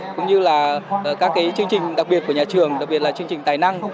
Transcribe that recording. cũng như là các chương trình đặc biệt của nhà trường đặc biệt là chương trình tài năng